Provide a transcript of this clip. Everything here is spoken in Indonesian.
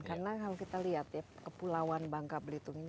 karena kalau kita lihat ya kepulauan bangka belitung ini